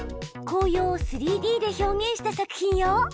紅葉を３Ｄで表現した作品よ！